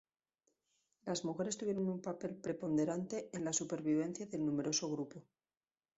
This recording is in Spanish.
Las mujeres tuvieron un papel preponderante en la supervivencia del numeroso grupo.